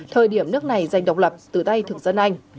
thời điểm nước này giành độc lập từ tay thực dân anh